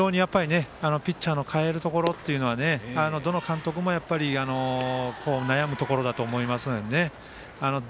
非常に、ピッチャーの代えるところっていうのはどの監督も悩むところだと思います。